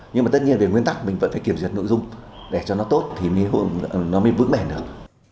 nhưng mà tất nhiên về nguyên tắc mình vẫn phải kiểm duyệt nội dung để cho nó tốt thì nó mới vững mẻ được